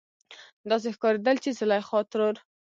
داسې ښکارېدل چې زليخا ترور